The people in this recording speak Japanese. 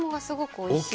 おいしい。